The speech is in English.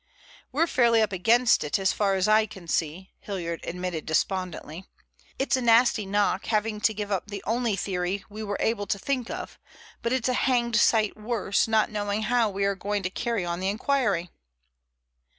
"We're fairly up against it as far as I can see," Hilliard admitted despondently. "It's a nasty knock having to give up the only theory we were able to think of, but it's a hanged sight worse not knowing how we are going to carry on the inquiry."